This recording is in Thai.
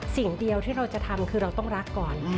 สิ่งเดียวที่เราจะทำคือเราต้องรักก่อน